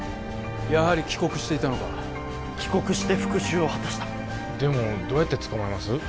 やはり帰国していたのか帰国して復讐を果たしたでもどうやってつかまえます？